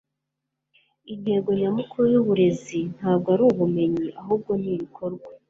intego nyamukuru y'uburezi ntabwo ari ubumenyi ahubwo ni ibikorwa